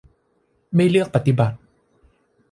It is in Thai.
ไม่เลือกปฏิบัติ